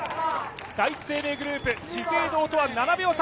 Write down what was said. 第一生命グループ、資生堂とは７秒差。